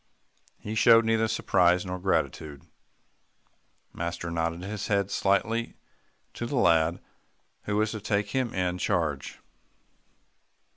He showed neither surprise nor gratitude. Master nodded his head slightly to the lad who was to take him in charge.